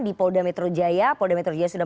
di polda metro jaya polda metro jaya sudah